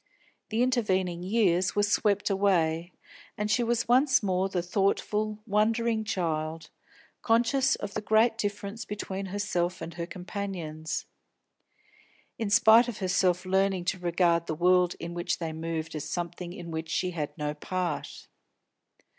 The intervening years were swept away, and she was once more the thoughtful, wondering child, conscious of the great difference between herself and her companions; in spite of herself learning to regard the world in which they moved as something in which she had no part.